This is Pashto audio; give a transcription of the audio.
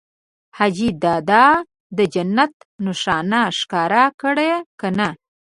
حاجي دادا د جنت نښانه ښکاره کړه که نه؟